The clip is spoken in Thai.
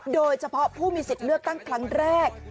โดยเฉพาะผู้มีสิทธิ์เลือกตั้งครั้งแรก